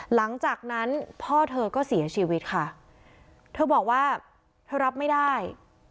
หลังจากนั้นพ่อเธอก็เสียชีวิตค่ะเธอบอกว่าเธอรับไม่ได้